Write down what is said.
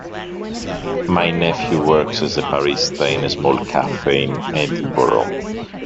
My nephew works as a barista in a small cafe in Edinburgh.